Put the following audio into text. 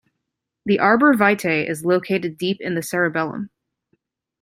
The arbor vitae is located deep in the cerebellum.